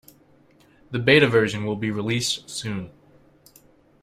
The Beta version will be released soon.